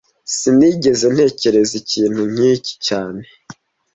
Sinigeze ntekereza ikintu nk'iki cyane